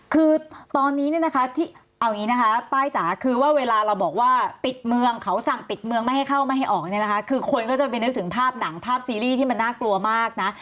คือตอนนี้เนี่ยนะคะที่เอาอย่างนี้นะคะป้ายจ๋าคือว่าเวลาเราบอกว่าปิดเมืองเขาสั่งปิดเมืองไม่ให้เข้าไม่ให้ออกเนี่ยนะคะคือคนก็จะไปนึกถึงภาพหนังภาพซีรีส์ที่มันน่ากลัวมากนะ